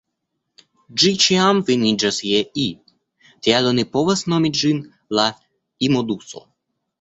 Ĝi ĉiam finiĝas je -i, tial oni povas nomi ĝin „la i-moduso.